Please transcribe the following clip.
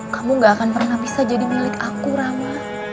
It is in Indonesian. kamu gak akan pernah bisa jadi milik aku rama